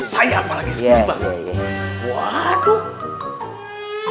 saya apalagi setuju bang